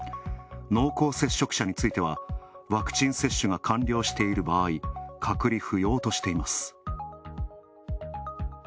濃厚接触者については、ワクチン接種が完了している場合、隔離不要としています。